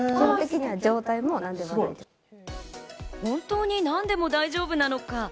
本当に何でも大丈夫なのか？